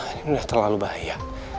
ini udah terlalu bahaya